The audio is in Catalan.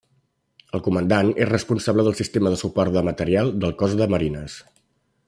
El Comandant és responsable del sistema de suport de material del Cos de Marines.